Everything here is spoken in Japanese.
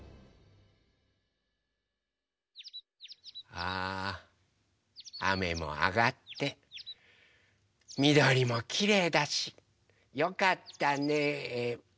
ああめもあがってみどりもきれいだしよかったねえあ。